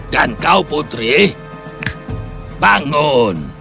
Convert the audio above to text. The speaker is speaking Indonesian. dan kau putri bangun